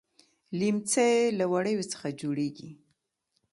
ليمڅی له وړيو څخه جوړيږي.